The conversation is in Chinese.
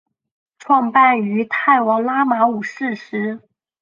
创办于泰王拉玛五世时。